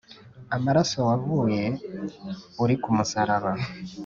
Amaraso wavuye, Uri ku musaraba,